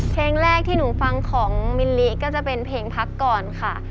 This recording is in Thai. เพลงแรกที่หนูฟังของมิลลิก็จะเป็นเพลงพักก่อนค่ะ